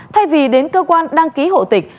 thay vì đến cơ quan đăng ký hộ tịch